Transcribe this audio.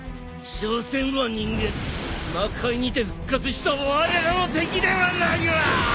しょせんは人間魔界にて復活したわれらの敵ではないわ！